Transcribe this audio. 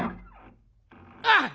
あっ！